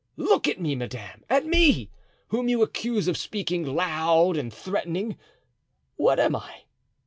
Look at me, madame—at me, whom you accuse of speaking loud and threateningly. What am I?